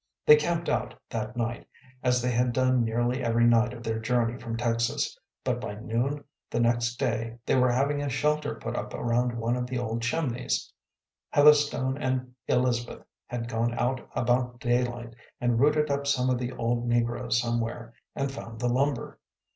They camped out that night, as they had done nearly every night of their journey from Texas, but by noon the next day they were having a shelter put up around one of the old chimneys. Heatherstone and Elizabeth had gone out about daylight and rooted up some of the old negroes somewhere, and found the lumber.